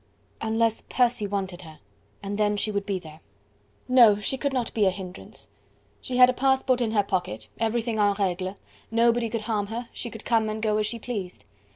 unless Percy wanted her, and then she would be there. No! she could not be a hindrance. She had a passport in her pocket, everything en regle, nobody could harm her, and she could come and go as she pleased.